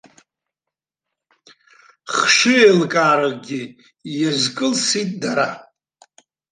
Хшыҩеилкааракгьы иазкылсит дара.